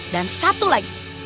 dan satu lagi